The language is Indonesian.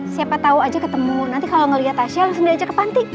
siapa tau aja ketemu nanti kalo ngeliat tasya langsung diajak ke panting